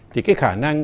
thì cái khả năng